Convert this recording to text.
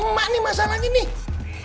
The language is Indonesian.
mak nih masalahnya nih